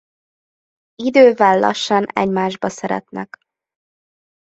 Idővel lassan egymásba szeretnek.